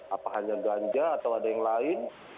apa hanya ganja atau ada yang lain